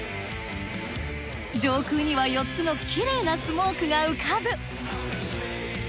上空には４つのきれいなスモークが浮かぶ。